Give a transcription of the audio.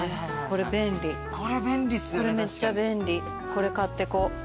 これ買ってこう。